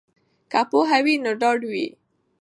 که پوهه وي نو ډاډ وي.